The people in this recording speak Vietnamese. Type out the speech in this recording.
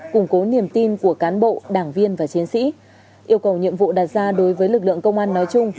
củng cố niềm tin của cán bộ đảng viên và chiến sĩ yêu cầu nhiệm vụ đặt ra đối với lực lượng công an nói chung